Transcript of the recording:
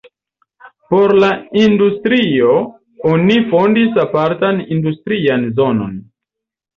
Por la industrio oni fondis apartan industrian zonon.